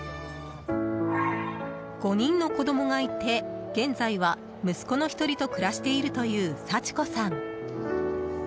５人の子供がいて、現在は息子の１人と暮らしているという幸子さん。